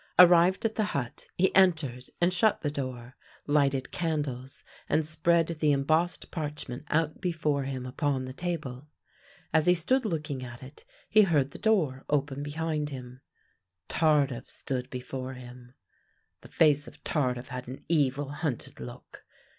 Arrived at the hut, he entered and shut the door; lighted candles and spread the embossed parchment out before him upon the table. As he stood looking at it, he heard the door open behind him. Tardif stood before him. The face of Tardif had an evil, hunted look.